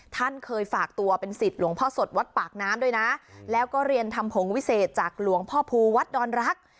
ท่านเคยฝากตัวเป็นสิทธิ์หลวงพ่อสดวัดปากน้ำด้วยนะแล้วก็เรียนทำผงวิเศษจากหลวงพ่อภูวัดดอนรัก